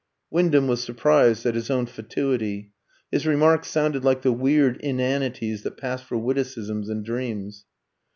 Wyndham was surprised at his own fatuity; his remarks sounded like the weird inanities that pass for witticisms in dreams.